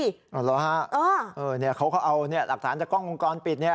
อ๋อเหรอฮะเนี่ยเขาเอาหลักฐานจากกล้องกลอนปิดเนี่ย